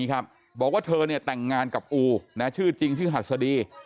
นี้ครับบอกว่าเธอเนี่ยแต่งงานกับอูนะชื่อจริงชื่อหัสดี